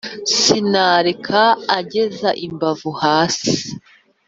Sinareka ageza imbavu hasi;